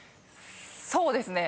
そうですね。